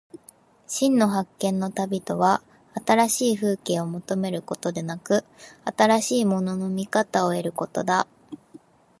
真の発見の旅とは、新しい風景を求めることでなく、新しいものの見方を得ることだ。